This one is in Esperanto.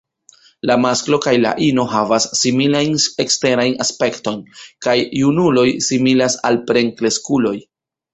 La masklo kaj la ino havas similajn eksterajn aspektojn, kaj junuloj similas al plenkreskuloj.